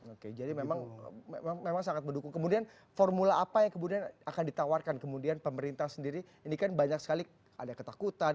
oke jadi memang sangat mendukung kemudian formula apa yang kemudian akan ditawarkan kemudian pemerintah sendiri ini kan banyak sekali ada ketakutan